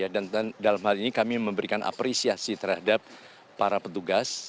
dan dalam hal ini kami memberikan apresiasi terhadap para petugas